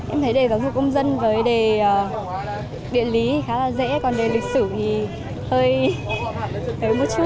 em thấy đề giáo dục công dân với đề địa lý khá là dễ còn đề lịch sử thì hơi một chút